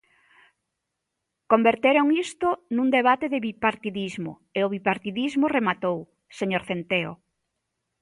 Converteron isto nun debate de bipartidismo, e o bipartidismo rematou, señor Centeo.